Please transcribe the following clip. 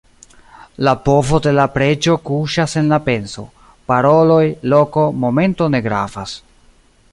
La povo de la preĝo kuŝas en la penso; paroloj, loko, momento ne gravas.